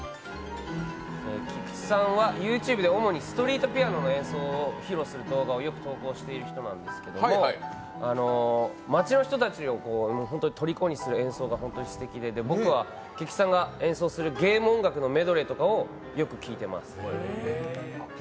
菊池さんはＹｏｕＴｕｂｅで主にストリートピアノの演奏を披露する動画をよく投稿している人なんですが町の人たちをとりこにする演奏が本当にすてきで僕は菊池さんが演奏するゲーム音楽のメドレーなんかをよく聴いてます。